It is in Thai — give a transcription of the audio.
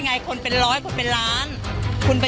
ปากกับภาคภูมิ